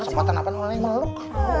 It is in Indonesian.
kesempatan apa lo yang meluk